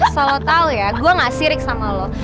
salah tau ya gue gak sirik sama lo